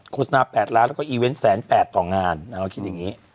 โฆษณา๘ล้านแล้วก็อีเวนต์๑๘๐๐ต่องานนางก็คิดอย่างนี้